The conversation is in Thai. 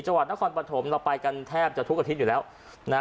จังหวัดนครปฐมเราไปกันแทบจะทุกอาทิตย์อยู่แล้วนะฮะ